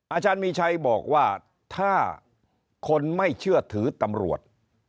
อาจารย์มีชัยบอกว่าถ้าคนไม่เชื่อถือตำรวจ